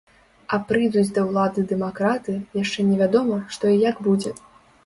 А прыйдуць да ўлады дэмакраты, яшчэ невядома, што і як будзе.